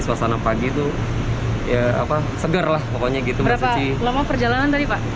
suasana pagi itu ya apa seger lah pokoknya gitu mbak suci lama perjalanan tadi pak